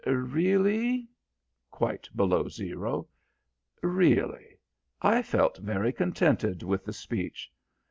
"Really?" quite below zero "Really? I felt very contented with the speech."